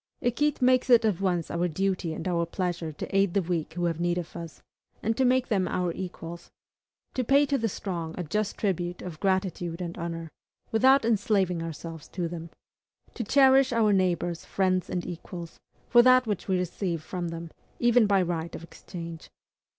Equite makes it at once our duty and our pleasure to aid the weak who have need of us, and to make them our equals; to pay to the strong a just tribute of gratitude and honor, without enslaving ourselves to them; to cherish our neighbors, friends, and equals, for that which we receive from them, even by right of exchange.